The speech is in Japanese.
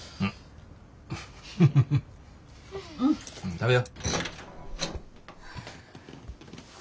食べよ。